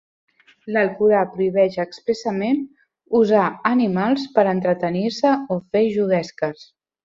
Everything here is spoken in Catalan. L'Alcorà prohibeix expressament usar animals per entretenir-se o fer juguesques.